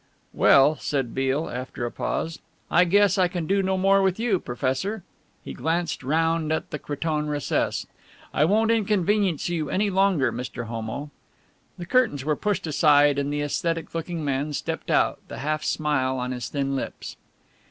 "Well," said Beale, after a pause, "I guess I can do no more with you, professor." He glanced round at the cretonne recess: "I won't inconvenience you any longer, Mr. Homo." The curtains were pushed aside and the æsthetic looking man stepped out, the half smile on his thin lips.